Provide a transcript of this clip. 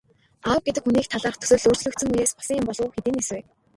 Аав гэдэг хүний талаарх төсөөлөл өөрчлөгдсөн үеэс болсон юм болов уу, хэдийнээс вэ?